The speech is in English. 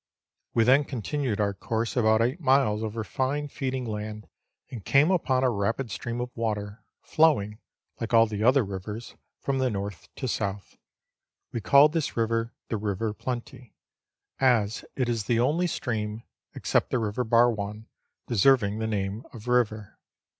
We then continued our course about eight miles over fine feed ing land, and came upon a rapid stream of water, flowing, like all the other rivers, from the north to south. We called this river the River Plenty, as it is the only stream, except the River Barwon, deserving the name of river.